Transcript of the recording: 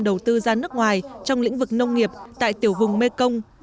đầu tư ra nước ngoài trong lĩnh vực nông nghiệp tại tiểu vùng mekong